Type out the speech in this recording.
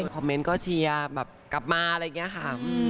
คอมเมนต์ก็เชียร์แบบกลับมาอะไรอย่างนี้ค่ะ